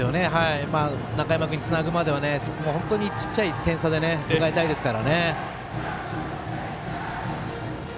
中山君につなぐまでは本当に小さな点差で迎えたいですからね。